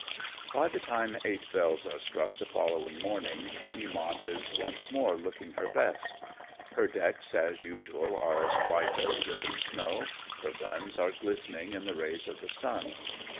By the time eight bells are struck the following morn ing, the Eamont is once more looking her best. Her decks as usual are as white as driven snow, her guns are glistening in the rays of the sun.